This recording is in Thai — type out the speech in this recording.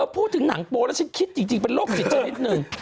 พูดถึงหนังโป๊แล้วฉันคิดจริงเป็นโรคจิตนิดนึง